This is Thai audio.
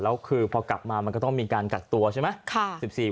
แล้วคือพอกลับมามันก็ต้องมีการกักตัวใช่ไหม